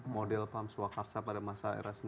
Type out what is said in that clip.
model pams wakarsa pada masa era sembilan puluh sembilan